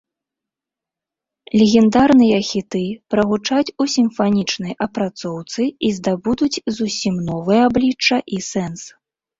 Легендарныя хіты прагучаць у сімфанічнай апрацоўцы і здабудуць зусім новае аблічча і сэнс.